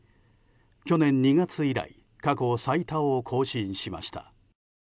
去年２月以来過去最多を更新しました。